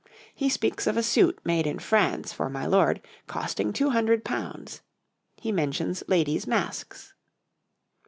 He speaks of a suit made in France for My Lord costing £200. He mentions ladies' masks.